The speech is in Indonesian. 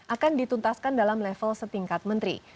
akan dituntaskan dalam level setingkat menteri